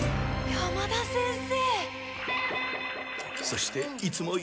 山田先生！